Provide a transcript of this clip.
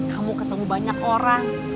kamu ketemu banyak orang